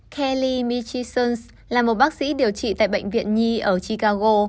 kelly michison là một bác sĩ điều trị tại bệnh viện nhi ở chicago